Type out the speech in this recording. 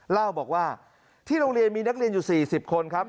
เล่าบอกว่าที่โรงเรียนมีนักเรียนอยู่๔๐คนครับ